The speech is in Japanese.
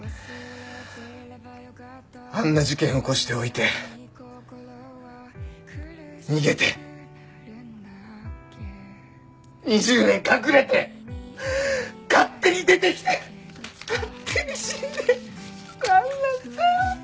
あんな事件起こしておいて逃げて２０年隠れて勝手に出てきて勝手に死んでなんなんだよ！